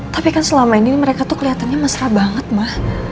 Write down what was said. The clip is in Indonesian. tapi kan selama ini mereka tuh kelihatannya mesra banget mah